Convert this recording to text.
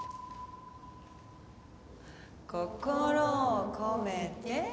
心を込めて。